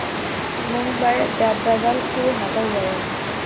موږ باید دا بدل کړو هغه وویل